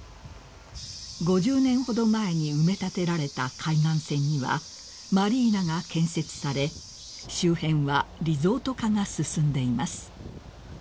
［５０年ほど前に埋め立てられた海岸線にはマリーナが建設され周辺はリゾート化が進んでいます］